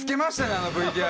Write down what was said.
あのＶＴＲ。